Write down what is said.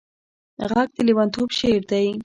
غږ د لېونتوب شعر دی